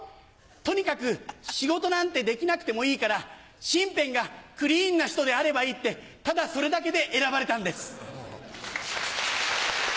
とにかく仕事なんてできなくてもいいから身辺がクリーンな人であればいいってただそれだけで選ばれたんです。